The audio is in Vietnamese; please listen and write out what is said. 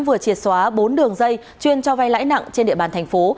vừa triệt xóa bốn đường dây chuyên cho vay lãi nặng trên địa bàn thành phố